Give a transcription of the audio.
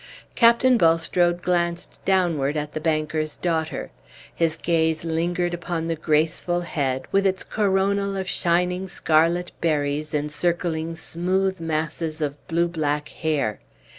Captain Bulstrode glanced downward at the banker's daughter. His gaze lingered upon the graceful head, with its coronal of shining scarlet berries encircling smooth masses of blue black hair.